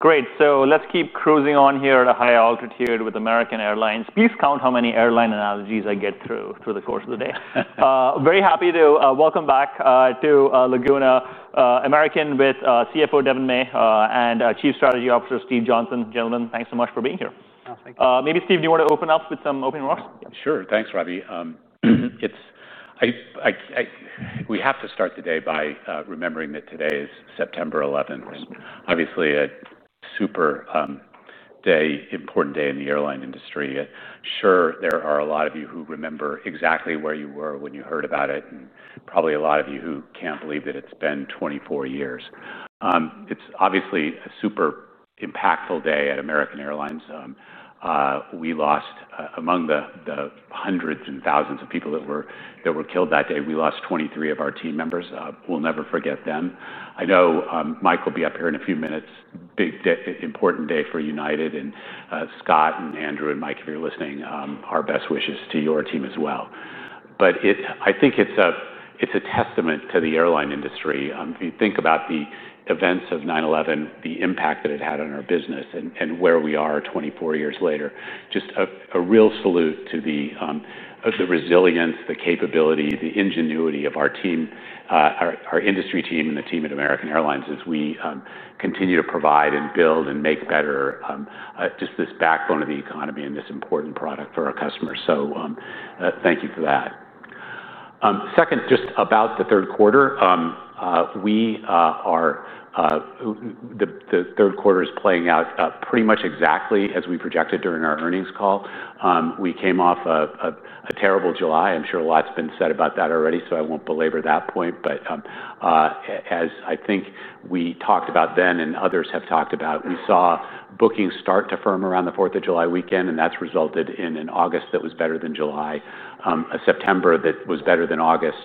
Great. Let's keep cruising on here at a high altitude with American Airlines. Please count how many airline analogies I get through the course of the day. Very happy to welcome back to Laguna American with CFO Devon May and Chief Strategy Officer Steve Johnson. Gentlemen, thanks so much for being here. Thank you. Maybe, Steve, do you want to open up with some opening remarks? Sure. Thanks, Ravi. We have to start the day by remembering that today is September 11th, obviously a super important day in the airline industry. There are a lot of you who remember exactly where you were when you heard about it, and probably a lot of you who can't believe that it's been 24 years. It's obviously a super impactful day at American Airlines. We lost, among the hundreds and thousands of people that were killed that day, we lost 23 of our team members. We'll never forget them. I know Mike will be up here in a few minutes. Big day, important day for United. Scott and Andrew and Mike, if you're listening, our best wishes to your team as well. I think it's a testament to the airline industry. If you think about the events of 9/11, the impact that it had on our business and where we are 24 years later, just a real salute to the resilience, the capability, the ingenuity of our team, our industry team, and the team at American Airlines as we continue to provide and build and make better just this backbone of the economy and this important product for our customers. Thank you for that. Second, just about the third quarter, the third quarter is playing out pretty much exactly as we projected during our earnings call. We came off a terrible July. I'm sure a lot's been said about that already, so I won't belabor that point. As I think we talked about then and others have talked about, we saw bookings start to firm around the 4th of July weekend, and that's resulted in an August that was better than July, a September that was better than August.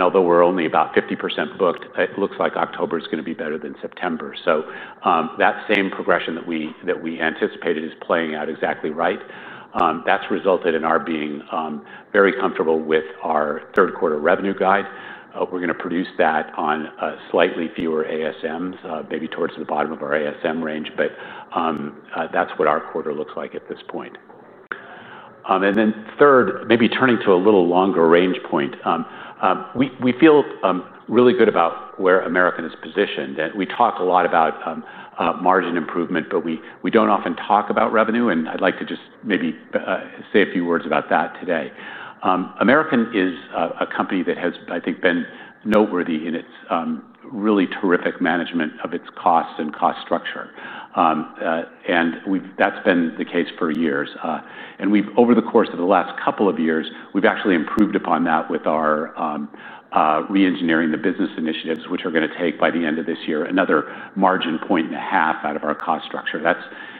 Although we're only about 50% booked, it looks like October is going to be better than September. That same progression that we anticipated is playing out exactly right. That's resulted in our being very comfortable with our third quarter revenue guide. We're going to produce that on slightly fewer ASMs, maybe towards the bottom of our ASM range, but that's what our quarter looks like at this point. Third, maybe turning to a little longer range point, we feel really good about where American is positioned. We talked a lot about margin improvement, but we don't often talk about revenue, and I'd like to just maybe say a few words about that today. American is a company that has, I think, been noteworthy in its really terrific management of its costs and cost structure. That's been the case for years. Over the course of the last couple of years, we've actually improved upon that with our re-engineering the business initiatives, which are going to take by the end of this year another margin point and a half out of our cost structure.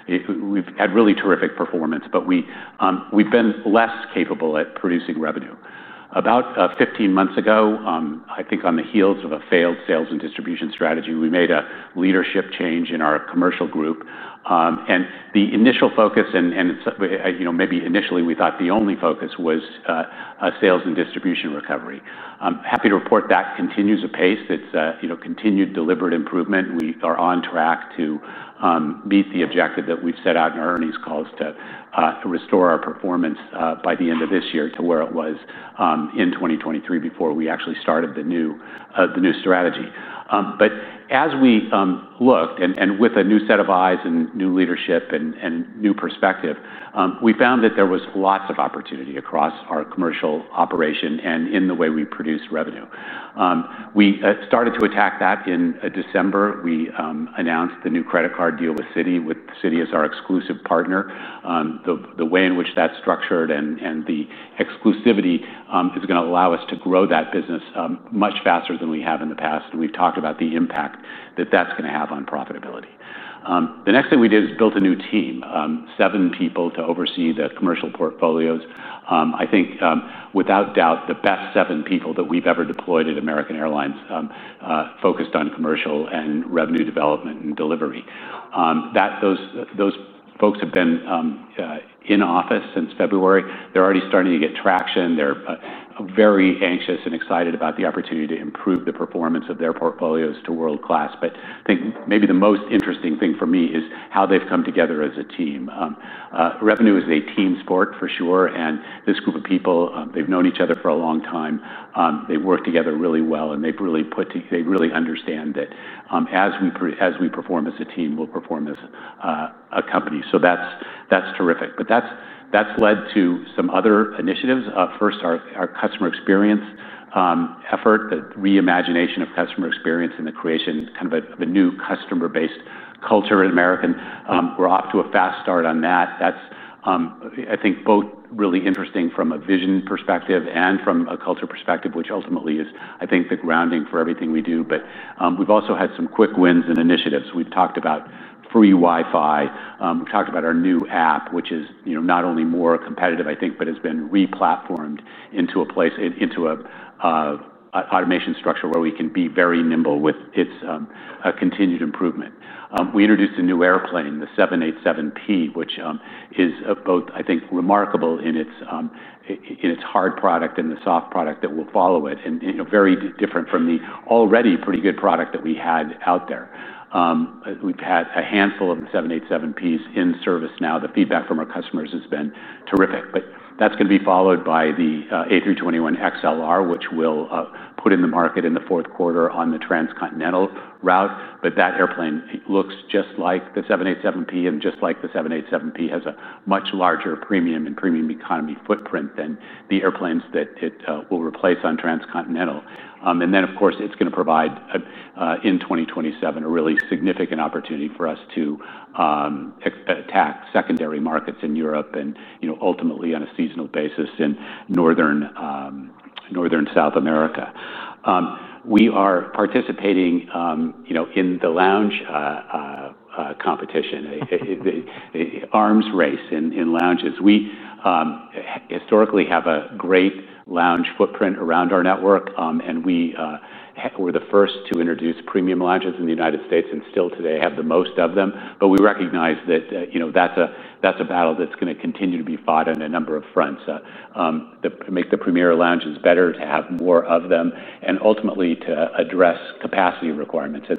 We've had really terrific performance, but we've been less capable at producing revenue. About 15 months ago, I think on the heels of a failed sales and distribution strategy, we made a leadership change in our commercial group. The initial focus, and maybe initially we thought the only focus, was sales and distribution recovery. I'm happy to report that continues apace. It's continued deliberate improvement. We are on track to meet the objective that we've set out in our earnings calls to restore our performance by the end of this year to where it was in 2023 before we actually started the new strategy. As we looked, and with a new set of eyes and new leadership and new perspective, we found that there was lots of opportunity across our commercial operation and in the way we produce revenue. We started to attack that in December. We announced the new credit card deal with Citi. Citi is our exclusive partner. The way in which that's structured and the exclusivity is going to allow us to grow that business much faster than we have in the past. We've talked about the impact that that's going to have on profitability. The next thing we did is build a new team, seven people to oversee the commercial portfolios. I think without doubt the best seven people that we've ever deployed at American Airlines focused on commercial and revenue development and delivery. Those folks have been in office since February. They're already starting to get traction. They're very anxious and excited about the opportunity to improve the performance of their portfolios to world class. I think maybe the most interesting thing for me is how they've come together as a team. Revenue is a team sport for sure, and this group of people, they've known each other for a long time. They work together really well, and they really understand that as we perform as a team, we'll perform as a company. That's terrific. That's led to some other initiatives. First, our customer experience effort, the reimagination of customer experience and the creation of a new customer-based culture at American. We're off to a fast start on that. That's, I think, both really interesting from a vision perspective and from a culture perspective, which ultimately is, I think, the grounding for everything we do. We've also had some quick wins and initiatives. We've talked about free Wi-Fi. We've talked about our new app, which is not only more competitive, I think, but has been re-platformed into an automation structure where we can be very nimble with its continued improvement. We introduced a new airplane, the 787P, which is both, I think, remarkable in its hard product and the soft product that will follow it, and very different from the already pretty good product that we had out there. We've had a handful of 787Ps in service now. The feedback from our customers has been terrific. That is going to be followed by the A321XLR, which we'll put in the market in the fourth quarter on the transcontinental route. That airplane looks just like the 787P and just like the 787P has a much larger premium and premium economy footprint than the airplanes that it will replace on transcontinental. It is going to provide in 2027 a really significant opportunity for us to attack secondary markets in Europe and ultimately on a seasonal basis in Northern South America. We are participating in the lounge competition, arms race in lounges. We historically have a great lounge footprint around our network, and we were the first to introduce premium lounges in the United States and still today have the most of them. We recognize that is a battle that's going to continue to be fought on a number of fronts to make the premier lounges better, to have more of them, and ultimately to address capacity requirements as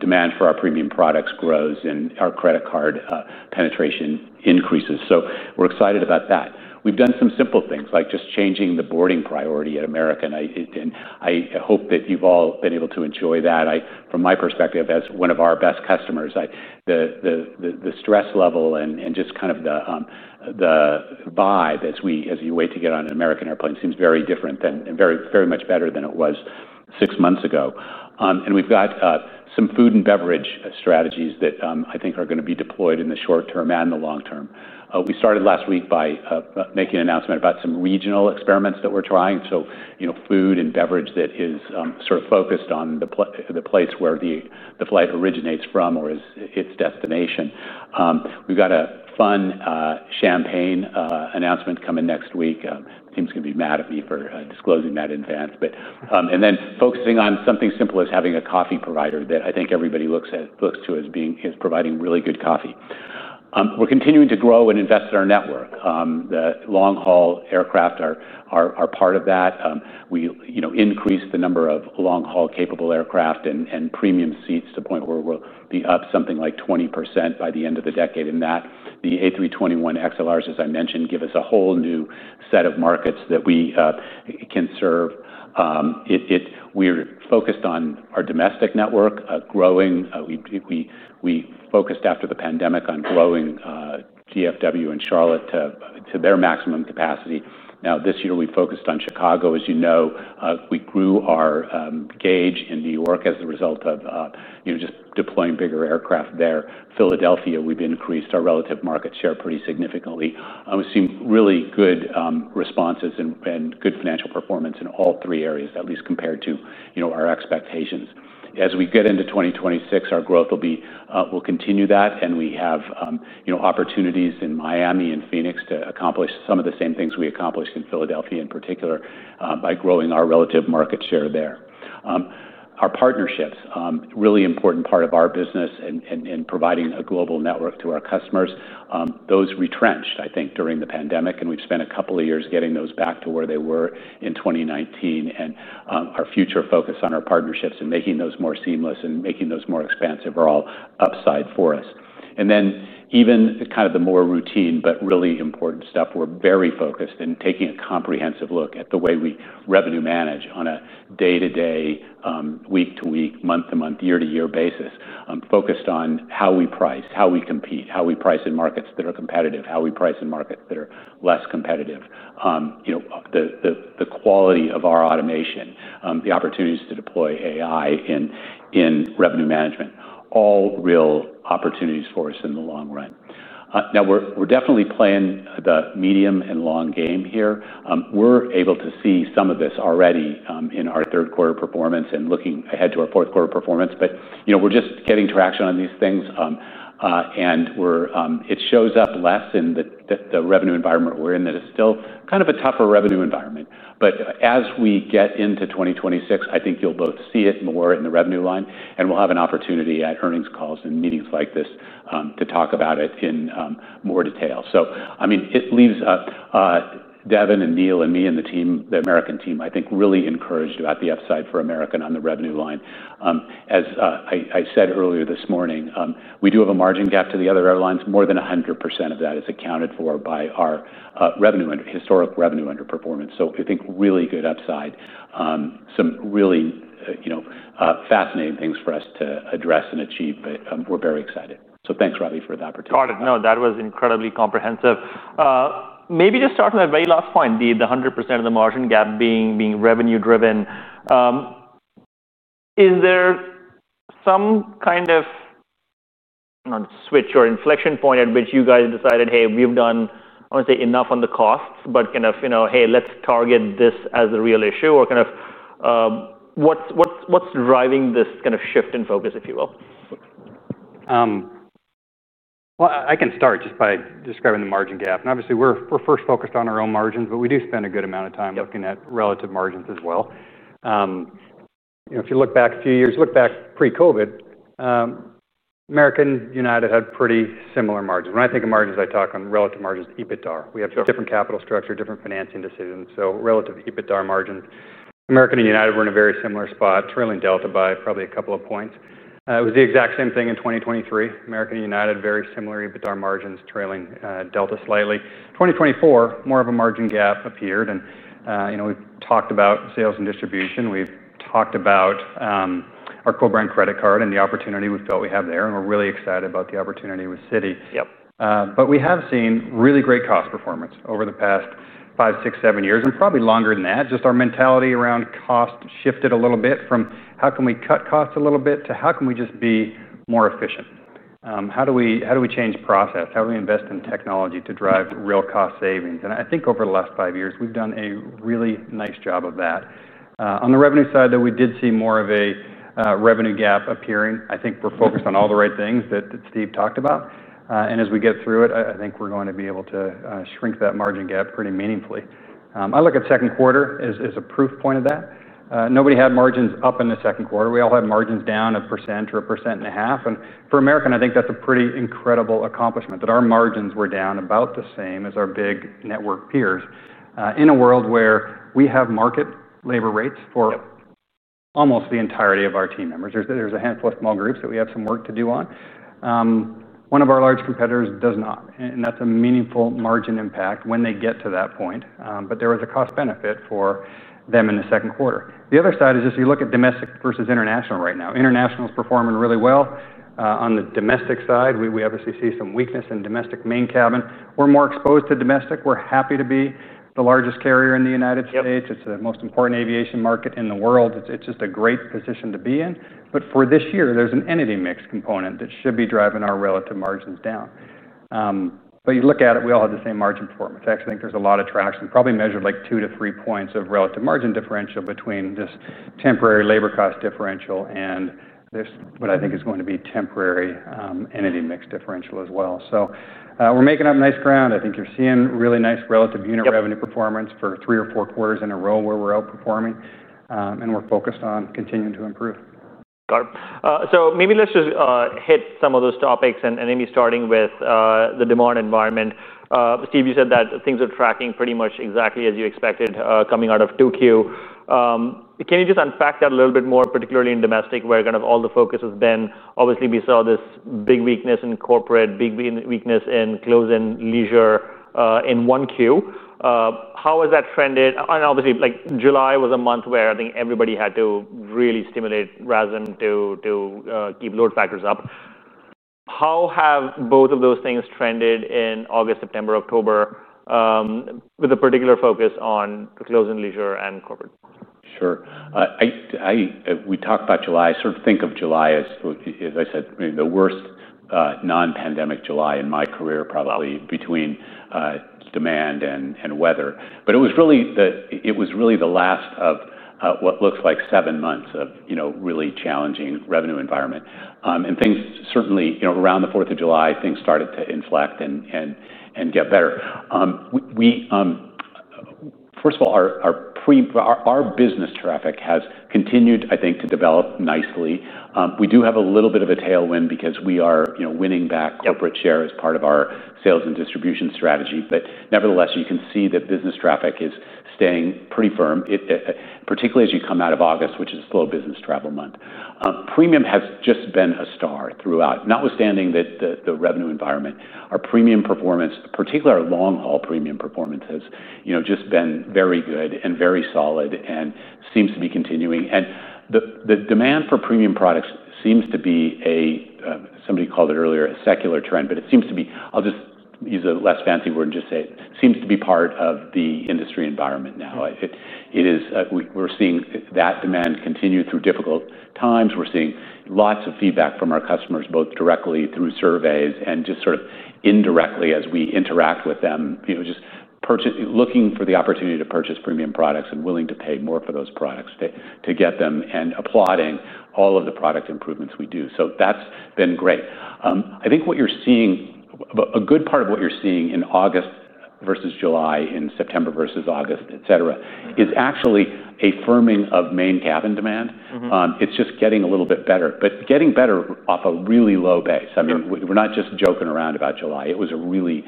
demand for our premium products grows and our credit card penetration increases. We're excited about that. We've done some simple things like just changing the boarding priority at American, and I hope that you've all been able to enjoy that. From my perspective as one of our best customers, the stress level and just kind of the vibe as you wait to get on an American airplane seems very different and very much better than it was six months ago. We've got some food and beverage strategies that I think are going to be deployed in the short term and the long term. We started last week by making an announcement about some regional experiments that we're trying. Food and beverage is sort of focused on the plates where the flight originates from or is its destination. We've got a fun champagne announcement coming next week. The team's going to be mad at me for disclosing that in advance. Then focusing on something as simple as having a coffee provider that I think everybody looks to as providing really good coffee. We're continuing to grow and invest in our network. The long-haul aircraft are part of that. We increased the number of long-haul capable aircraft and premium seats to the point where we'll be up something like 20% by the end of the decade. The A321XLRs, as I mentioned, give us a whole new set of markets that we can serve. We're focused on our domestic network growing. We focused after the pandemic on growing GFW in Charlotte to their maximum capacity. This year we've focused on Chicago. As you know, we grew our gauge in New York as a result of just deploying bigger aircraft there. Philadelphia, we've increased our relative market share pretty significantly. We've seen really good responses and good financial performance in all three areas, at least compared to our expectations. As we get into 2026, our growth will continue that, and we have opportunities in Miami and Phoenix to accomplish some of the same things we accomplished in Philadelphia in particular by growing our relative market share there. Our partnerships, a really important part of our business in providing a global network to our customers, retrenched during the pandemic, and we've spent a couple of years getting those back to where they were in 2019. Our future focus on our partnerships and making those more seamless and making those more expansive are all upside for us. Even kind of the more routine but really important stuff, we're very focused and taking a comprehensive look at the way we revenue manage on a day-to-day, week-to-week, month-to-month, year-to-year basis, focused on how we price, how we compete, how we price in markets that are competitive, how we price in markets that are less competitive, the quality of our automation, the opportunities to deploy AI in revenue management, all real opportunities for us in the long run. We're definitely playing the medium and long game here. We're able to see some of this already in our third quarter performance and looking ahead to our fourth quarter performance. We are just getting traction on these things, and it shows up less in the revenue environment we are in, that it is still kind of a tougher revenue environment. As we get into 2026, I think you will both see it more in the revenue line, and we will have an opportunity at earnings calls and meetings like this to talk about it in more detail. It leaves Devon and Neil and me and the American team, I think, really encouraged about the upside for American on the revenue line. As I said earlier this morning, we do have a margin gap to the other airlines. More than 100% of that is accounted for by our historic revenue underperformance. I think there is really good upside, some really fascinating things for us to address and achieve. We are very excited. Thanks, Ravi, for the opportunity. No, that was incredibly comprehensive. Maybe just start with my very last point, the 100% of the margin gap being revenue-driven. Is there some kind of switch or inflection point at which you guys have decided, hey, we've done enough on the cost, but kind of, you know, hey, let's target this as a real issue? What's driving this kind of shift in focus, if you will? I can start just by describing the margin gap. Obviously, we're first focused on our own margins, but we do spend a good amount of time looking at relative margins as well. If you look back a few years, look back pre-COVID, American and United had pretty similar margins. When I think of margins, I talk on relative margins EBITDA. We have different capital structure, different financing decisions. Relative EBITDA margins, American and United were in a very similar spot, trailing Delta by probably a couple of points. It was the exact same thing in 2023. American and United, very similar EBITDA margins, trailing Delta slightly. In 2024, more of a margin gap appeared. We've talked about sales and distribution. We've talked about our co-brand credit card and the opportunity we felt we have there. We're really excited about the opportunity with Citi. We have seen really great cost performance over the past five, six, seven years, and probably longer than that. Our mentality around cost shifted a little bit from how can we cut costs a little bit to how can we just be more efficient. How do we change process? How do we invest in technology to drive real cost savings? I think over the last five years, we've done a really nice job of that. On the revenue side, though, we did see more of a revenue gap appearing. I think we're focused on all the right things that Steve talked about. As we get through it, I think we're going to be able to shrink that margin gap pretty meaningfully. I look at second quarter as a proof point of that. Nobody had margins up in the second quarter. We all had margins down a percent or a percent and a half. For American, I think that's a pretty incredible accomplishment that our margins were down about the same as our big network peers in a world where we have market labor rates for almost the entirety of our team members. There's a handful of small groups that we have some work to do on. One of our large competitors does not, and that's a meaningful margin impact when they get to that point. There was a cost benefit for them in the second quarter. The other side is just you look at domestic versus international right now. International is performing really well. On the domestic side, we obviously see some weakness in domestic main cabin. We're more exposed to domestic. We're happy to be the largest carrier in the United States. It's the most important aviation market in the world. It's just a great position to be in. For this year, there's an entity mix component that should be driving our relative margins down. You look at it, we all have the same margin performance. I actually think there's a lot of traction, probably measured like 2 to 3 points of relative margin differential between this temporary labor cost differential and this, what I think is going to be temporary entity mix differential as well. We're making up nice ground. I think you're seeing really nice relative unit revenue performance for 3 or 4 quarters in a row where we're outperforming. We're focused on continuing to improve. Got it. Maybe let's just hit some of those topics, starting with the demand environment. Steve, you said that things are tracking pretty much exactly as you expected coming out of 2Q. Can you just unpack that a little bit more, particularly in domestic where kind of all the focus has been? Obviously, we saw this big weakness in corporate, big weakness in close-in leisure in 1Q. How has that trended? Obviously, July was a month where I think everybody had to really stimulate rather than keep load factors up. How have both of those things trended in August, September, October with a particular focus on close-in leisure and corporate? Sure. We talked about July. I sort of think of July as, as I said, the worst non-pandemic July in my career, probably between demand and weather. It was really the last of what looks like seven months of really challenging revenue environment. Things certainly around the 4th of July started to inflect and get better. First of all, our business traffic has continued, I think, to develop nicely. We do have a little bit of a tailwind because we are winning back corporate share as part of our sales and distribution strategy. Nevertheless, you can see that business traffic is staying pretty firm, particularly as you come out of August, which is a slow business travel month. Premium has just been a star throughout, notwithstanding the revenue environment. Our premium performance, particularly our long-haul premium performance, has just been very good and very solid and seems to be continuing. The demand for premium products seems to be a, somebody called it earlier, a secular trend. It seems to be, I'll just use a less fancy word and just say it seems to be part of the industry environment now. We're seeing that demand continue through difficult times. We're seeing lots of feedback from our customers, both directly through surveys and just sort of indirectly as we interact with them, just looking for the opportunity to purchase premium products and willing to pay more for those products to get them and applauding all of the product improvements we do. That's been great. I think what you're seeing, a good part of what you're seeing in August versus July, in September versus August, et cetera, is actually affirming of main cabin demand. It's just getting a little bit better, but getting better off a really low base. I mean, we're not just joking around about July. It was a really,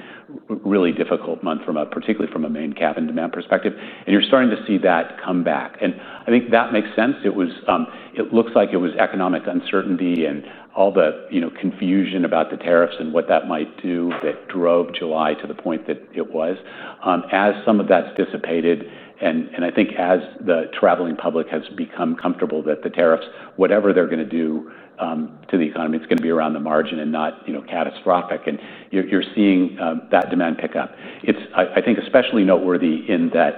really difficult month, particularly from a main cabin demand perspective. You're starting to see that come back. I think that makes sense. It looks like it was economic uncertainty and all the confusion about the tariffs and what that might do that drove July to the point that it was. As some of that's dissipated, and I think as the traveling public has become comfortable that the tariffs, whatever they're going to do to the economy, it's going to be around the margin and not catastrophic. You're seeing that demand pick up. I think especially noteworthy in that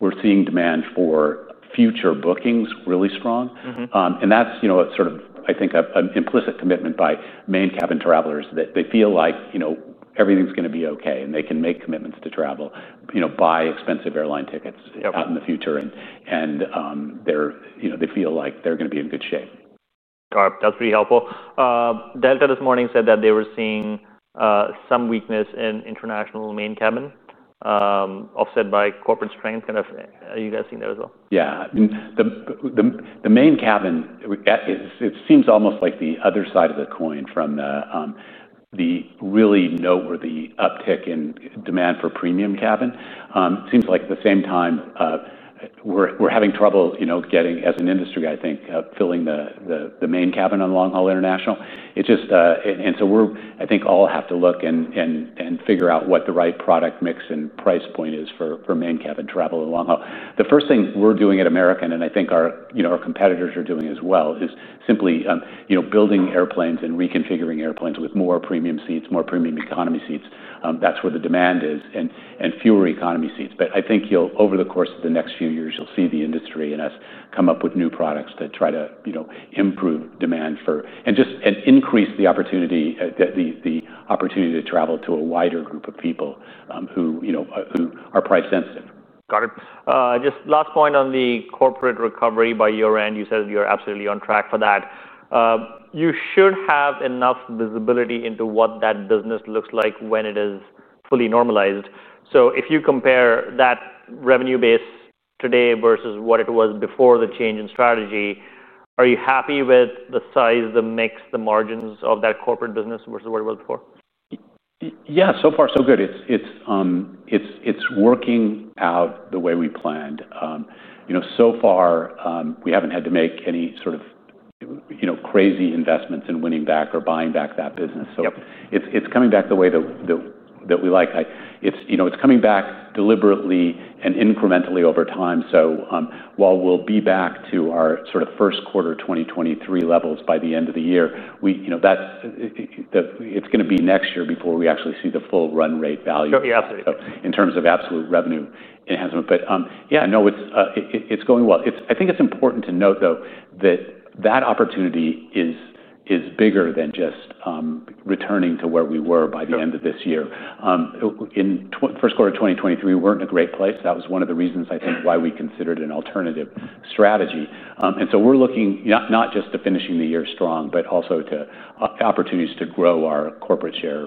we're seeing demand for future bookings really strong. That's sort of, I think, an implicit commitment by main cabin travelers that they feel like everything's going to be OK and they can make commitments to travel, buy expensive airline tickets out in the future. They feel like they're going to be in good shape. Got it. That's pretty helpful. Delta this morning said that they were seeing some weakness in international Main Cabin offset by corporate strength. Are you guys seeing that as well? Yeah. The main cabin, it seems almost like the other side of the coin from the really noteworthy uptick in demand for premium cabin. It seems like at the same time, we're having trouble getting, as an industry, I think, filling the main cabin on long-haul international. I think all have to look and figure out what the right product mix and price point is for main cabin travel and long-haul. The first thing we're doing at American Airlines, and I think our competitors are doing as well, is simply building airplanes and reconfiguring airplanes with more premium seats, more premium economy seats. That's where the demand is, and fewer economy seats. I think over the course of the next few years, you'll see the industry and us come up with new products to try to improve demand for and just increase the opportunity to travel to a wider group of people who are price sensitive. Got it. Just last point on the corporate recovery by year end. You said you're absolutely on track for that. You should have enough visibility into what that business looks like when it is fully normalized. If you compare that revenue base today versus what it was before the change in strategy, are you happy with the size, the mix, the margins of that corporate business versus what it was before? Yeah, so far, so good. It's working out the way we planned. So far, we haven't had to make any sort of crazy investments in winning back or buying back that business. It's coming back the way that we like. It's coming back deliberately and incrementally over time. While we'll be back to our sort of first quarter 2023 levels by the end of the year, it's going to be next year before we actually see the full run rate value. Yeah, absolutely. In terms of absolute revenue enhancement, it's going well. I think it's important to note, though, that that opportunity is bigger than just returning to where we were by the end of this year. In the first quarter of 2023, we weren't in a great place. That was one of the reasons, I think, why we considered an alternative strategy. We're looking not just to finishing the year strong, but also to opportunities to grow our corporate share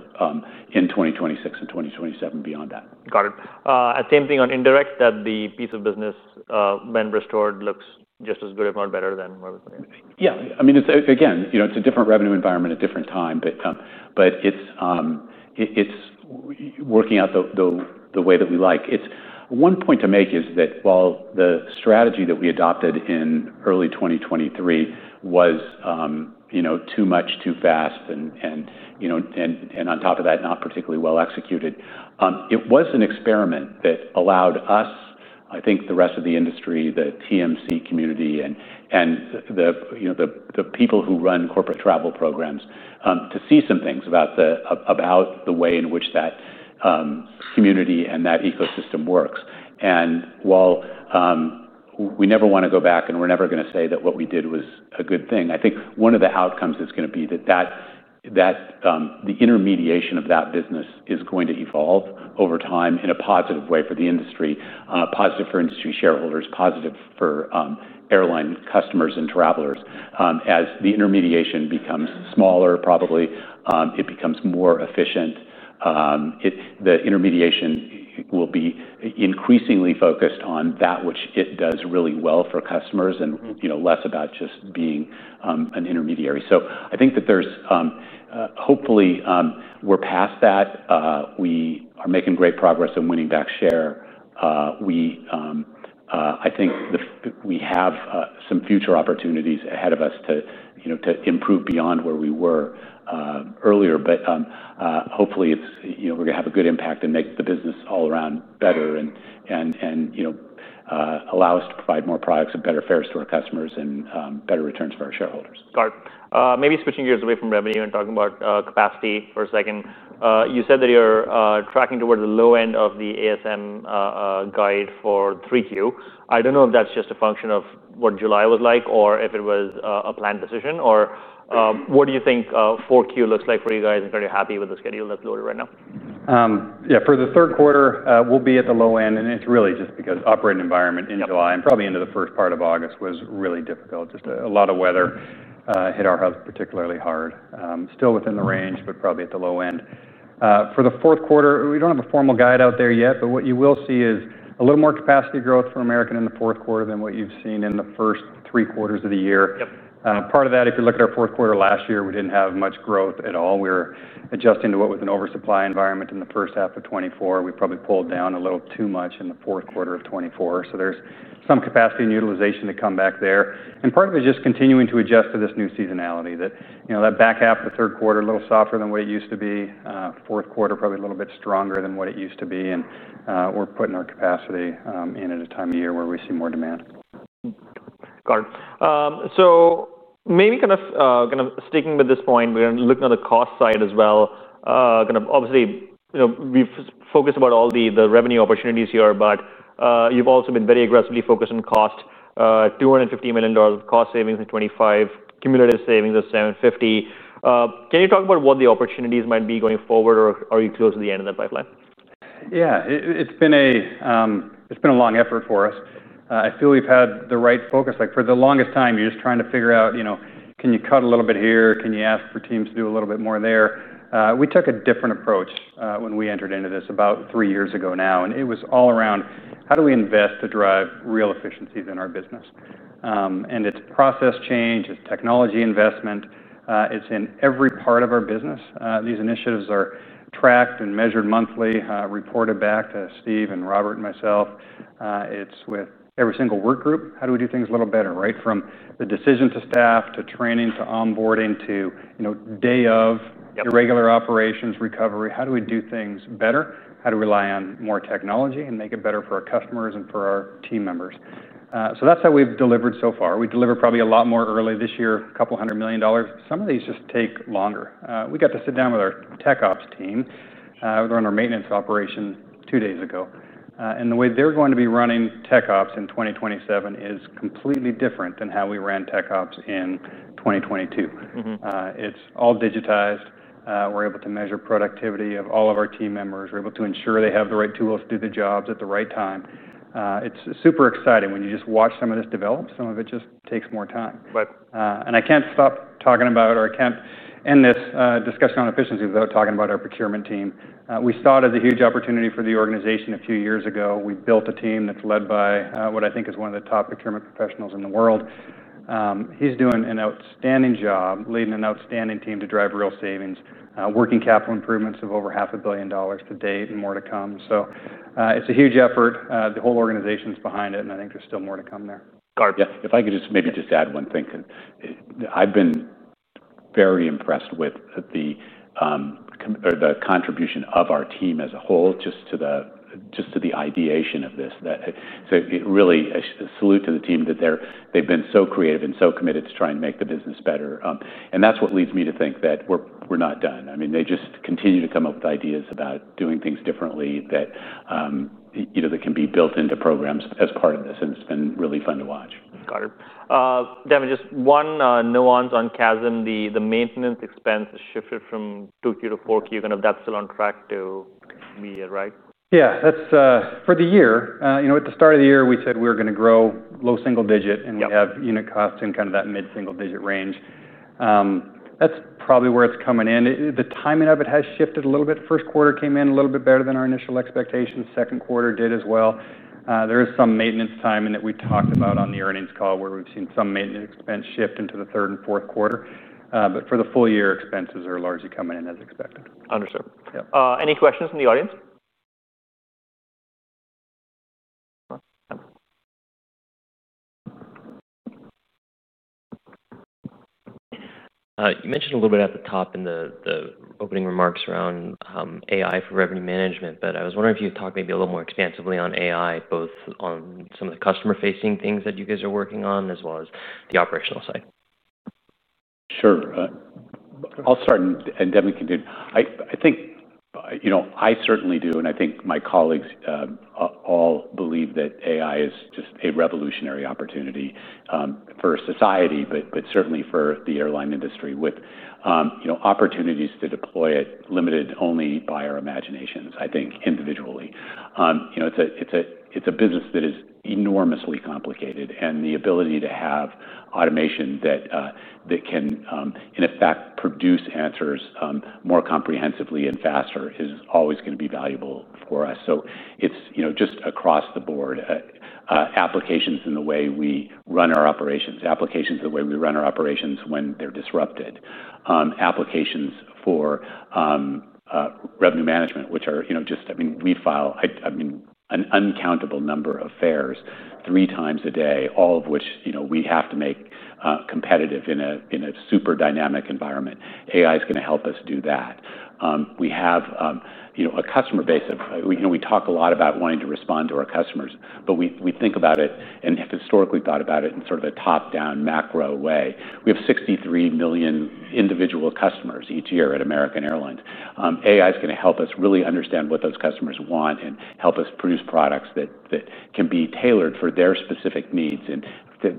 in 2026 and 2027 beyond that. Got it. Same thing on indirect, that the piece of business when restored looks just as good, if not better than where we've been? Yeah. I mean, again, it's a different revenue environment at a different time, but it's working out the way that we like. One point to make is that while the strategy that we adopted in early 2023 was too much, too fast, and on top of that, not particularly well executed, it was an experiment that allowed us, I think, the rest of the industry, the TMC community, and the people who run corporate travel programs to see some things about the way in which that community and that ecosystem works. While we never want to go back and we're never going to say that what we did was a good thing, I think one of the outcomes is going to be that the intermediation of that business is going to evolve over time in a positive way for the industry, positive for industry shareholders, positive for airline customers and travelers. As the intermediation becomes smaller, probably it becomes more efficient. The intermediation will be increasingly focused on that which it does really well for customers and less about just being an intermediary. I think that hopefully we're past that. We are making great progress in winning back share. I think we have some future opportunities ahead of us to improve beyond where we were earlier. Hopefully, we're going to have a good impact and make the business all around better and allow us to provide more products and better fares to our customers and better returns for our shareholders. Got it. Maybe switching gears away from revenue and talking about capacity for a second. You said that you're tracking towards the low end of the ASM guide for 3Q. I don't know if that's just a function of what July was like or if it was a planned decision. What do you think 4Q looks like for you guys, and are you happy with the schedule that's loaded right now? Yeah, for the third quarter, we'll be at the low end. It's really just because the operating environment in July and probably into the first part of August was really difficult. A lot of weather hit our hubs particularly hard. Still within the range, but probably at the low end. For the fourth quarter, we don't have a formal guide out there yet. What you will see is a little more capacity growth for American in the fourth quarter than what you've seen in the first three quarters of the year. Part of that, if you look at our fourth quarter last year, we didn't have much growth at all. We were adjusting to what was an oversupply environment in the first half of 2024. We probably pulled down a little too much in the fourth quarter of 2024. There's some capacity and utilization to come back there. Part of it is just continuing to adjust to this new seasonality, that back half of the third quarter, a little softer than what it used to be. Fourth quarter, probably a little bit stronger than what it used to be. We're putting our capacity in at a time of year where we see more demand. Got it. Maybe kind of sticking with this point, we're looking at the cost side as well. Obviously, we've focused about all the revenue opportunities here, but you've also been very aggressively focused on cost, $250 million of cost savings in 2025, cumulative savings of $750 million. Can you talk about what the opportunities might be going forward, or are you close to the end of the pipeline? Yeah, it's been a long effort for us. I feel we've had the right focus. Like for the longest time, you're just trying to figure out, can you cut a little bit here? Can you ask for teams to do a little bit more there? We took a different approach when we entered into this about three years ago now. It was all around how do we invest to drive real efficiencies in our business? It's process change, it's technology investment, it's in every part of our business. These initiatives are tracked and measured monthly, reported back to Steve and Robert and myself. It's with every single work group, how do we do things a little better, right? From the decision to staff, to training, to onboarding, to day of, irregular operations, recovery, how do we do things better? How do we rely on more technology and make it better for our customers and for our team members? That's how we've delivered so far. We delivered probably a lot more early this year, a couple hundred million dollars. Some of these just take longer. We got to sit down with our tech ops team. We were on our maintenance operation two days ago. The way they're going to be running tech ops in 2027 is completely different than how we ran tech ops in 2022. It's all digitized. We're able to measure productivity of all of our team members. We're able to ensure they have the right tools to do the jobs at the right time. It's super exciting when you just watch some of this develop. Some of it just takes more time. I can't stop talking about it, or I can't end this discussion on efficiency without talking about our procurement team. We saw it as a huge opportunity for the organization a few years ago. We built a team that's led by what I think is one of the top procurement professionals in the world. He's doing an outstanding job, leading an outstanding team to drive real savings, working capital improvements of over $500 million to date and more to come. It's a huge effort. The whole organization's behind it, and I think there's still more to come there. Got it. If I could just add one thing, I've been very impressed with the contribution of our team as a whole, just to the ideation of this. Really, a salute to the team that they've been so creative and so committed to trying to make the business better. That's what leads me to think that we're not done. I mean, they just continue to come up with ideas about doing things differently that can be built into programs as part of this. It's been really fun to watch. Got it. Devon, just one nuance on Kazim. The maintenance expense has shifted from 2Q to 4Q. That's still on track to be right? Yeah, that's for the year. You know, at the start of the year, we said we were going to grow low single digit and have unit costs in kind of that mid-single digit range. That's probably where it's coming in. The timing of it has shifted a little bit. The first quarter came in a little bit better than our initial expectations. The second quarter did as well. There is some maintenance timing that we talked about on the earnings call where we've seen some maintenance expense shift into the third and fourth quarter. For the full year, expenses are largely coming in as expected. Understood. Any questions from the audience? You mentioned a little bit at the top in the opening remarks around AI for revenue management. I was wondering if you could talk maybe a little more expansively on AI, both on some of the customer-facing things that you guys are working on, as well as the operational side. Sure. I'll start, and Devon can do. I think, you know, I certainly do, and I think my colleagues all believe that AI is just a revolutionary opportunity for society, but certainly for the airline industry, with opportunities to deploy it limited only by our imaginations, I think, individually. It's a business that is enormously complicated. The ability to have automation that can, in effect, produce answers more comprehensively and faster is always going to be valuable for us. It is just across the board, applications in the way we run our operations, applications in the way we run our operations when they're disrupted, applications for revenue management, which are just, I mean, we file, I mean, an uncountable number of fares three times a day, all of which we have to make competitive in a super dynamic environment. AI is going to help us do that. We have a customer base of, you know, we talk a lot about wanting to respond to our customers. We think about it and have historically thought about it in sort of a top-down macro way. We have 63 million individual customers each year at American Airlines. AI is going to help us really understand what those customers want and help us produce products that can be tailored for their specific needs and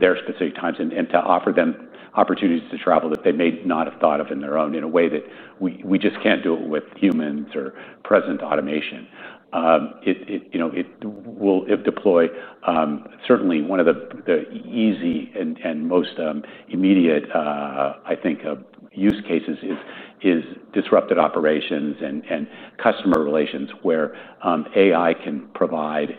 their specific times and to offer them opportunities to travel that they may not have thought of in their own in a way that we just can't do it with humans or present automation.It will deploy, certainly, one of the easy and most immediate, I think, use cases is disrupted operations and customer relations where AI can provide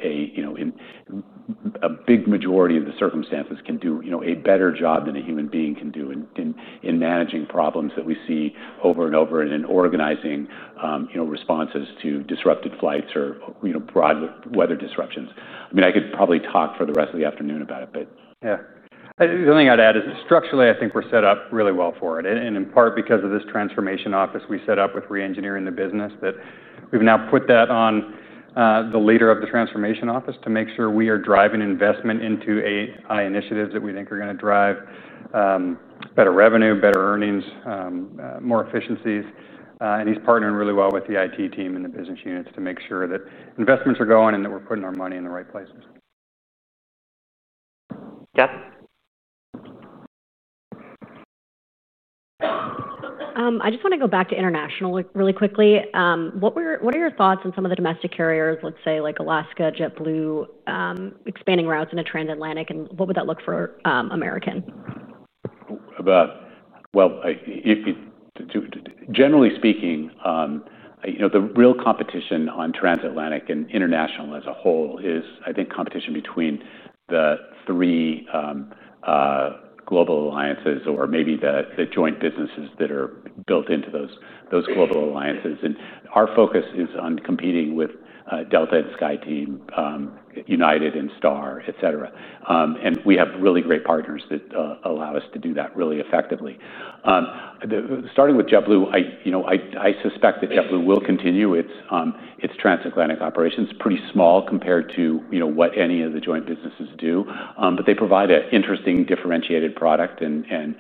a big majority of the circumstances can do a better job than a human being can do in managing problems that we see over and over and in organizing responses to disrupted flights or broad weather disruptions. I mean, I could probably talk for the rest of the afternoon about it, but. Yeah. The only thing I'd add is structurally, I think we're set up really well for it. In part because of this transformation office we set up with re-engineering the business, we've now put that on the leader of the transformation office to make sure we are driving investment into AI initiatives that we think are going to drive better revenue, better earnings, more efficiencies. He's partnering really well with the IT team and the business units to make sure that investments are going and that we're putting our money in the right places. Yeah. I just want to go back to international really quickly. What are your thoughts on some of the domestic carriers, let's say like Alaska, JetBlue expanding routes into Transatlantic, and what would that look for American Airlines? Generally speaking, the real competition on Transatlantic and international as a whole is, I think, competition between the three global alliances or maybe the joint businesses that are built into those global alliances. Our focus is on competing with Delta and SkyTeam, United and Star, et cetera. We have really great partners that allow us to do that really effectively. Starting with JetBlue, I suspect that JetBlue will continue its Transatlantic operations. It's pretty small compared to what any of the joint businesses do. They provide an interesting differentiated product, and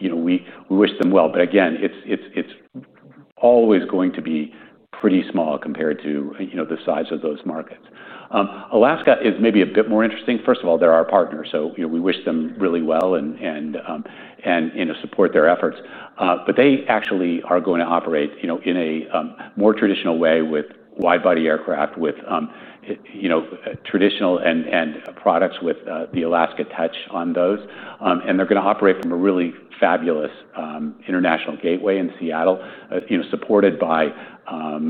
we wish them well. Again, it's always going to be pretty small compared to the size of those markets. Alaska is maybe a bit more interesting. First of all, they're our partner. We wish them really well and support their efforts. They actually are going to operate in a more traditional way with wide-body aircraft, with traditional products with the Alaska touch on those. They're going to operate from a really fabulous international gateway in Seattle, supported by a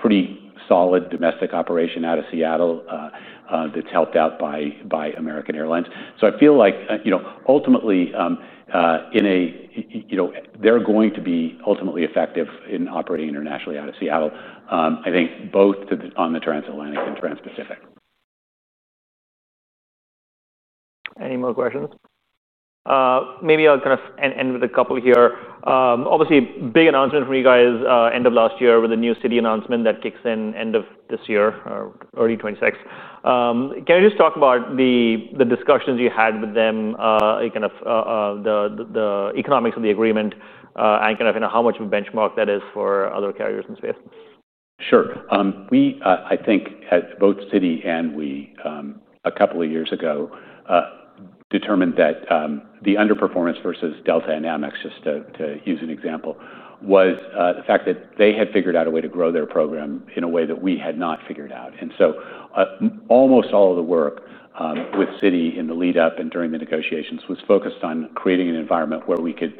pretty solid domestic operation out of Seattle that's helped out by American Airlines. I feel like, ultimately, they're going to be ultimately effective in operating internationally out of Seattle, I think both on the Transatlantic and Trans-Pacific. Any more questions? Maybe I'll kind of end with a couple here. Obviously, a big announcement from you guys, end of last year, with the new Citi announcement that kicks in end of this year, early 2026. Can you just talk about the discussions you had with them, kind of the economics of the agreement, and kind of how much of a benchmark that is for other carriers in space? Sure. We, I think, at both Citi and we, a couple of years ago, determined that the underperformance versus Delta and AmEx, just to use an example, was the fact that they had figured out a way to grow their program in a way that we had not figured out. Almost all of the work with Citi in the lead-up and during the negotiations was focused on creating an environment where we could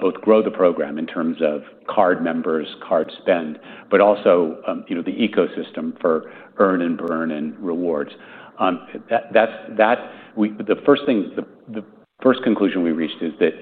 both grow the program in terms of card members, card spend, but also the ecosystem for earn and burn and rewards. The first conclusion we reached is that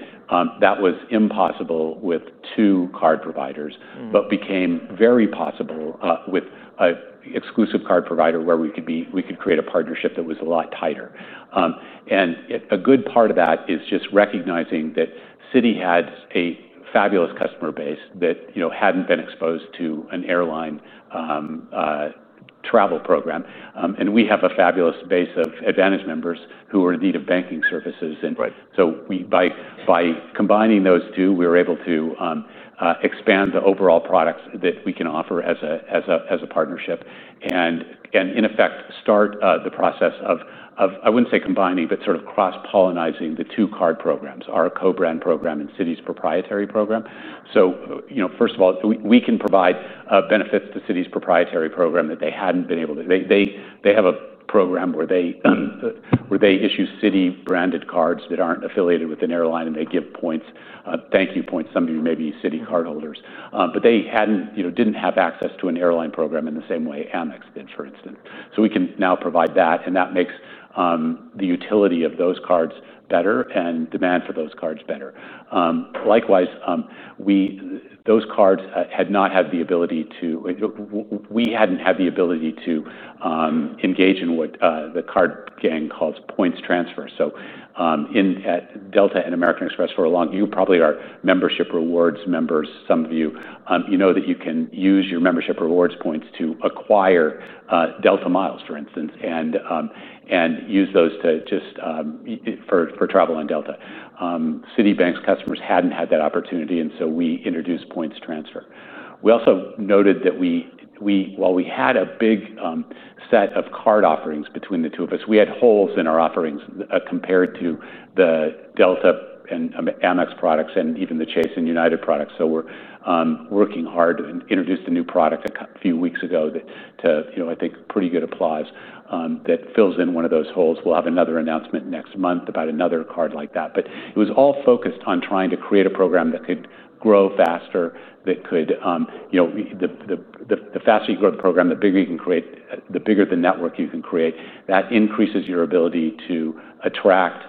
that was impossible with two card providers, but became very possible with an exclusive card provider where we could create a partnership that was a lot tighter. A good part of that is just recognizing that Citi had a fabulous customer base that hadn't been exposed to an airline travel program. We have a fabulous base of AAdvantage members who are in need of banking services. By combining those two, we were able to expand the overall products that we can offer as a partnership and, in effect, start the process of, I wouldn't say combining, but sort of cross-pollinizing the two card programs, our co-brand program and Citi's proprietary program. First of all, we can provide benefits to Citi's proprietary program that they hadn't been able to. They have a program where they issue Citi-branded cards that aren't affiliated with an airline, and they give points, ThankYou points, some of you may be Citi card holders. They didn't have access to an airline program in the same way AmEx did, for instance. We can now provide that. That makes the utility of those cards better and demand for those cards better. Likewise, those cards had not had the ability to, we hadn't had the ability to engage in what the card gang calls points transfer. At Delta and American Express for a long, you probably are Membership Rewards members, some of you, you know that you can use your Membership Rewards points to acquire Delta miles, for instance, and use those for travel on Delta. Citi's customers hadn't had that opportunity, and we introduced points transfer. We also noted that we, while we had a big set of card offerings between the two of us, we had holes in our offerings compared to the Delta and AmEx products and even the Chase and United products. We are working hard to introduce a new product a few weeks ago to, I think, pretty good applause that fills in one of those holes. We'll have another announcement next month about another card like that. It was all focused on trying to create a program that could grow faster. The faster you grow the program, the bigger you can create, the bigger the network you can create. That increases your ability to attract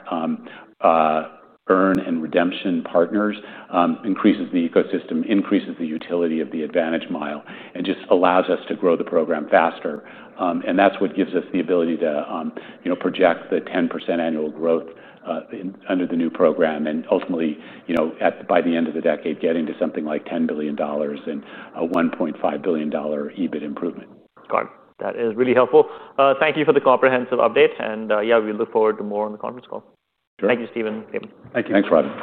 earn and redemption partners, increases the ecosystem, increases the utility of the AAdvantage mile, and just allows us to grow the program faster. That is what gives us the ability to project the 10% annual growth under the new program and ultimately, by the end of the decade, get into something like $10 billion and a $1.5 billion EBIT improvement. Got it. That is really helpful. Thank you for the comprehensive update. We look forward to more on the conference call. Sure. Thank you, Steve. Thank you. Thanks, Ravi.